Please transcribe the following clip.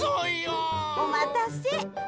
おまたせ。